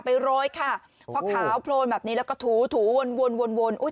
โรยค่ะพอขาวโพลนแบบนี้แล้วก็ถูถูวนวนวนอุ้ย